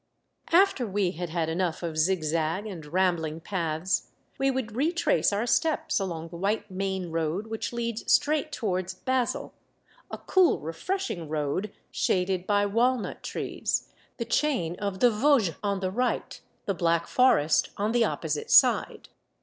After we had had enough of zigzag and rambling paths, we would retrace our steps along the white main road which leads straight towards Basle, a cool, refreshing road, shaded by walnut trees — the chain of the Vosges on the right, the Black Forest on the opposite side.